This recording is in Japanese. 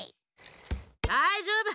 だいじょうぶ！